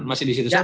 masih di situ